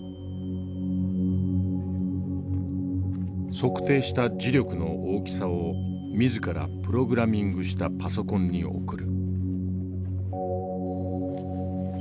測定した磁力の大きさを自らプログラミングしたパソコンに送る。